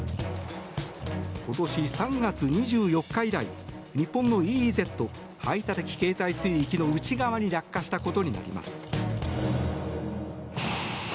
今年３月２４日以来日本のＥＥＺ・排他的経済水域の内側に落下したことになります。